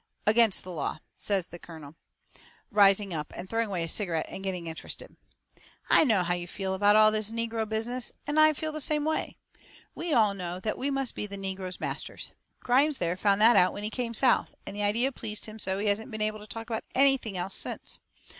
"Against the law," says the colonel, rising up and throwing away his cigarette, and getting interested. "I know how you feel about all this negro business. And I feel the same way. We all know that we must be the negros' masters. Grimes there found that out when he came South, and the idea pleased him so he hasn't been able to talk about anything else since.